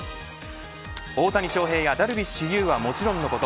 大谷翔平やダルビッシュ有はもちろんのこと